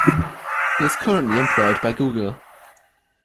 He is currently employed by Google.